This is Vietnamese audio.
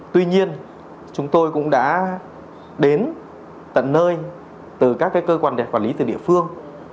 tuy nhiên chúng tôi cũng đã đến tận nơi từ các cơ quan quản lý từ địa phương